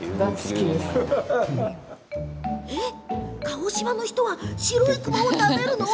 鹿児島の人は白い熊を食べるの？